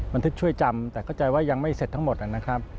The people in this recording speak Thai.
บันทึกช่วยจำแต่เข้าใจว่ายังไม่เสร็จทั้งหมดนะครับ